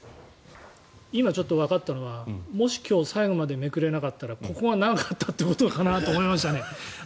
今ちょっとわかったのがもし今日最後までめくれなかったらここが長かったんだと思います。